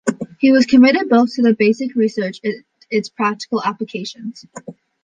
He was committed both to basic research and its practical applications.